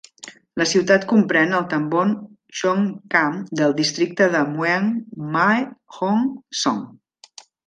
La ciutat comprèn el "tambon" Chong Kham del districte de Mueang Mae Hong Son.